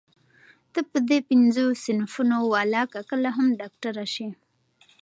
ته په دې پينځو صنفونو ولاکه کله هم ډاکټره شې.